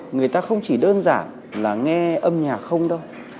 người ta không chỉ đơn giản là nghe âm nhạc không đâu